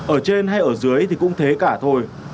ở trên hay ở dưới thì cũng thế cả thôi